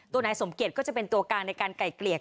นายสมเกียจก็จะเป็นตัวกลางในการไก่เกลี่ย